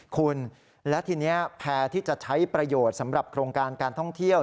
คุณและทีนี้แพร่ที่จะใช้ประโยชน์สำหรับโครงการการท่องเที่ยว